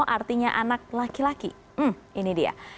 artinya anak laki laki ini dia